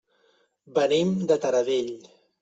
Venim de Taradell.